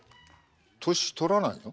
年取らないの？